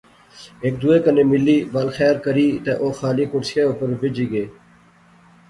ہیک دوئے کنے ملی، بل خیر کری تے او خالی کرسئِں اوپر بیجی گئے